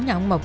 nhà ông mộc